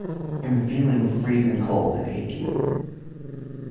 Am feeling freezing cold and achy.